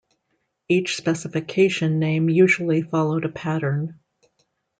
Each specification name usually followed a pattern.